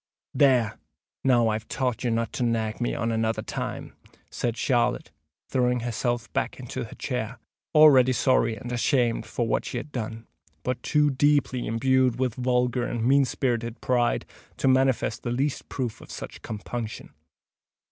"There! now I've taught you not to nag me on another time," said Charlotte, throwing herself back into her chair, already sorry and ashamed for what she had done, but too deeply imbued with vulgar and mean spirited pride to manifest the least proof of such compunction.